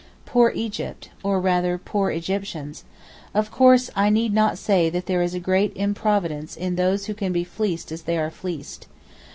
Poor Egypt! or rather, poor Egyptians! Of course, I need not say that there is great improvidence in those who can be fleeced as they are fleeced.